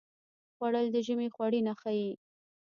خوړل د ژمي خوړینه ښيي